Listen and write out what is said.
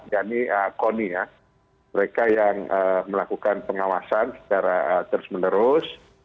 yakni koni ya mereka yang melakukan pengawasan secara terus menerus